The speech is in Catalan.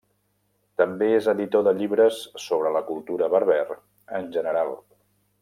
També és editor de llibres sobre la cultura berber en general.